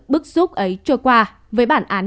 bức xúc ấy trôi qua với bản án